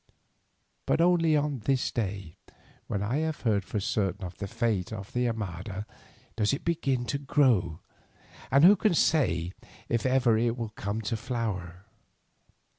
But only on this day, when I have heard for certain of the fate of the Armada, does it begin to grow, and who can say if ever it will come to flower?